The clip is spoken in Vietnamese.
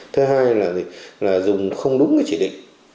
thứ hai là dùng không đúng cái chỉ định